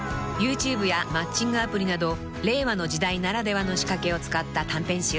［ＹｏｕＴｕｂｅやマッチングアプリなど令和の時代ならではの仕掛けを使った短編集］